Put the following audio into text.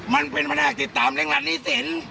มันเป็นพนักติดตามเล่งรัฐนิสิน